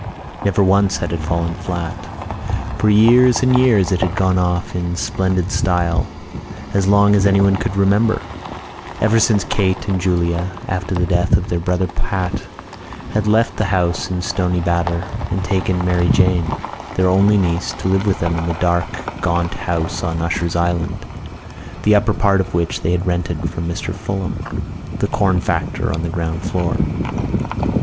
Never once had it fallen flat. For years and years it had gone off in splendid style as long as anyone could remember; ever since Kate and Julia, after the death of their brother Pat, had left the house in Stoney Batter and taken Mary Jane, their only niece, to live with them in the dark gaunt house on Usher's Island, the upper part of which they had rented from Mr Fulham, the corn factor on the ground floor.